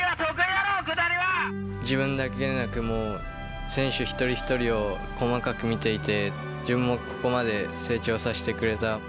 自分だけでなく、もう、選手一人一人を細かく見ていて、自分もここまで成長させてくれた。